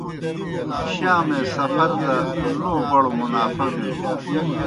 شامے سفر دہ لو بڑو منافع بِلوْ۔